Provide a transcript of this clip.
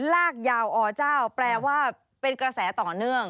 ลากยาวอเจ้าแปลว่าเป็นกระแสต่อเนื่อง